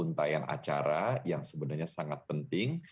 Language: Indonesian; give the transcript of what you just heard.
untayan acara yang sebenarnya sangat penting